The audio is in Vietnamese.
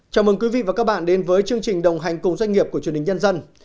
chào mừng quý vị và các bạn đến với chương trình đồng hành cùng doanh nghiệp của truyền hình nhân dân